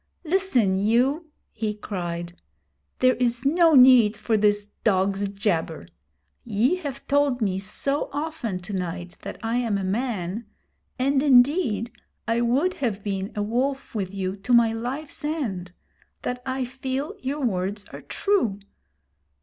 'Listen you!' he cried. 'There is no need for this dog's jabber. Ye have told me so often to night that I am a man (and indeed I would have been a wolf with you to my life's end), that I feel your words are true.